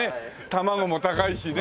卵も高いしね。